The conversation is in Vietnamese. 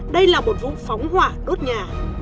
đây là một vụ phóng hỏa đốt nhà